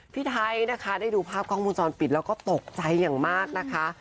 พี่ไทยนะคะได้ดูภาพกล้องวงจรปิดแล้วก็ตกใจอย่างมากนะคะ